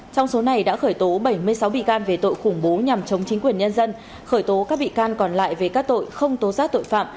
trong số này đã khởi tố bảy mươi sáu bị can về tội khủng bố nhằm chống chính quyền nhân dân khởi tố các bị can còn lại về các tội không tố giác tội phạm